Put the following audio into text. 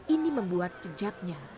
ini membuat jejaknya